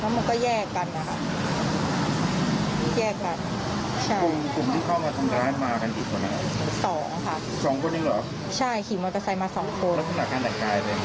แล้วคุณการดังกายเป็นยังไง